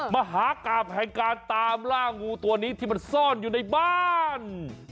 มหากราบแห่งการตามล่างูตัวนี้ที่มันซ่อนอยู่ในบ้าน